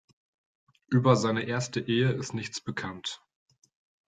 Über seine erste Ehe ist nichts bekannt.